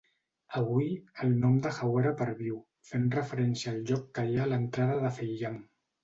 Avui, el nom de "Hawara" perviu, fent referència al lloc que hi ha a l'entrada de Faiyum.